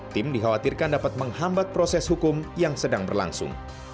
tim dikhawatirkan dapat menghambat proses hukum yang sedang berlangsung